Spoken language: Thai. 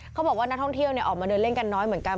เขาบอกว่านักท่องเที่ยวออกมาเดินเล่นกันน้อยเหมือนกัน